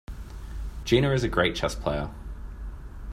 Gina is a great chess player.